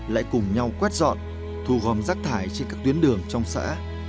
lại cùng nhau quét dọn thu gom rác thải trên các tuyến đường trong xã